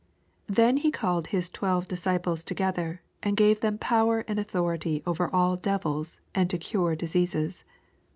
1 Then he called his twelve disci ples together, and gave them power and anthority over all devila, and to cnre diseases.